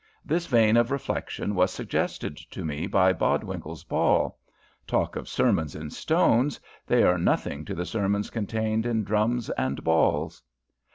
This vein of reflection was suggested to me by Bodwinkle's ball. Talk of sermons in stones! they are nothing to the sermons contained in drums and balls.